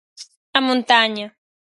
A Montaña.